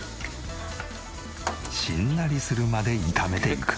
しんなりするまで炒めていく。